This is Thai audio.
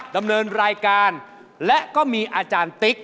ดำเนินรายการและก็มีอาจารย์ติ๊ก